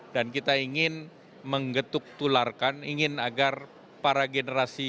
dan kita ingin menggetuk tularkan ingin agar para generasi